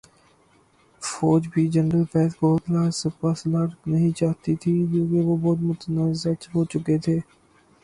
فوج بھی جنرل فیض کو اگلا سپاسالار نہیں چاہتی تھی، کیونکہ وہ بہت متنازع ہوچکے تھے۔۔